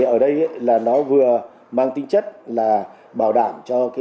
ở đây nó vừa mang tính chất là bảo đảm